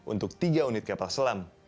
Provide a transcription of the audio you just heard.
untuk tiga unit kapal selam